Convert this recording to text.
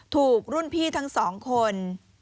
ถูกรุ่นพี่ทั้งสองคน